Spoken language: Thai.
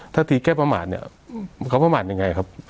ถ้าทีแก้ประมาทเนี่ยเขาประมาทยังไงครับ